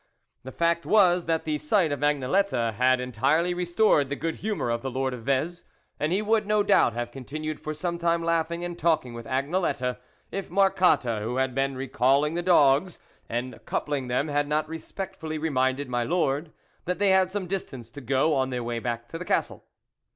The fact was, that the sight of Agnelette had en tirely restored the good humour of the Lord of Vez, and he would, no doubt, have continued for some time laughing and talking with Agnelette, if Marcotte, who had been recalling the dogs, and coupling them, had not respectfully re minded my Lord that they had some distance to go on their way back to the Castle.